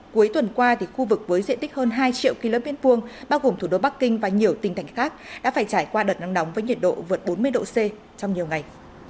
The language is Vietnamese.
cuối tuần qua khu vực với diện tích hơn hai triệu km hai bao gồm thủ đô bắc kinh và nhiều tỉnh thành khác đã phải trải qua đợt nắng nóng với nhiệt độ vượt bốn mươi độ c trong nhiều ngày